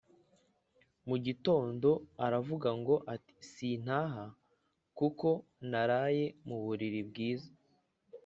mu gitondo aravuga ngo ati sinaha kuko naraye mu buriri bwiza,